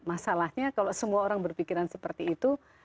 masalahnya kalau semua orang berpikiran seperti itu